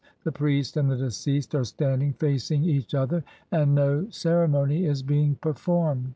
15), the priest and the deceased are standing facing each other, and no ceremony is being performed.